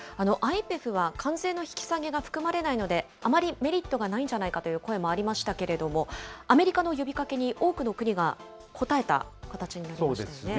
ＩＰＥＦは関税の引き下げが含まれないので、あまりメリットがないんじゃないかという声もありましたけれども、アメリカの呼びかけに多くの国が応えた形になりまそうですね。